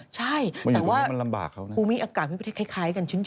ใช่แต่ว่าคุณมีอากาศไม่มีประเทศคล้ายกันชื้น